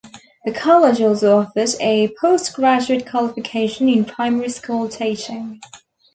The college also offered a postgraduate qualification in primary school teaching.